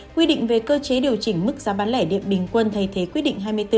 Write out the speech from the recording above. quy định về cơ chế điều chỉnh mức giá bán lẻ điện bình quân thay thế quyết định hai mươi bốn